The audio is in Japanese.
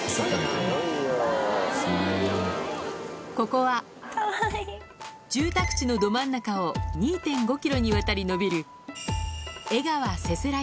ここは住宅地のど真ん中を２．５ｋｍにわたり延びる